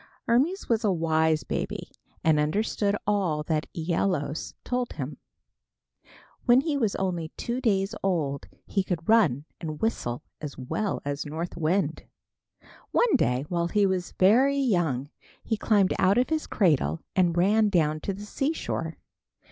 Hermes was a wise baby and understood all that Æolus told him. When he was only two days old he could run and whistle as well as North Wind. One day while he was very young he climbed out of his cradle and ran down to the seashore.